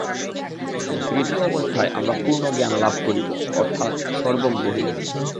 তৃতীয় অবস্থায় আমরা পূর্ণ জ্ঞানলাভ করিব, অর্থাৎ সর্বজ্ঞ হইব।